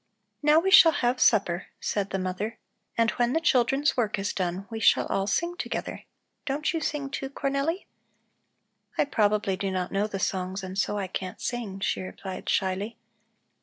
"Now we shall have supper," said the mother, "and when the children's work is done we shall all sing together. Don't you sing, too, Cornelli?" "I probably do not know the songs, and so I can't sing," she replied shyly.